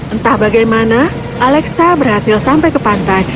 entah bagaimana alexa berhasil sampai ke pantai